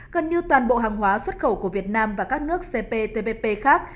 gần như toàn bộ hàng hóa xuất khẩu của việt nam và các nước cptpp khác